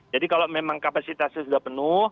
jadi kalau memang kapasitasnya sudah penuh